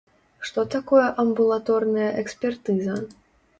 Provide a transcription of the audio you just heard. Што такое амбулаторная экспертыза?